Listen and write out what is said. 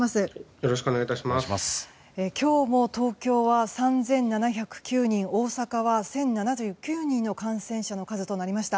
今日も東京は３７０９人大阪は１０７９人の感染者の数となりました。